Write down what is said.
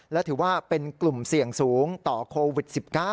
และถือว่าเป็นกลุ่มเสี่ยงสูงต่อโควิด๑๙